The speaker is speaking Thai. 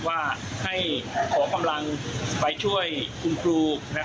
ว่าให้ขอกำลังไปช่วยคุณครู